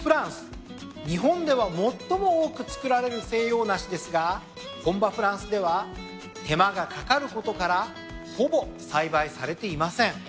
日本では最も多く作られる西洋梨ですが本場フランスでは手間がかかることからほぼ栽培されていません。